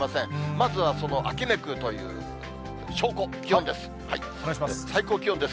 まずはその秋めくという証拠、気温です。